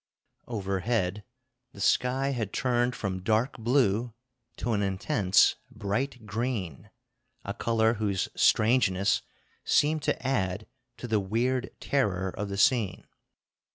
Overhead the sky had turned from dark blue to an intense bright green, a color whose strangeness seemed to add to the weird terror of the scene.